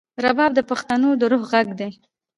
رباب د پښتنو د روح غږ دی.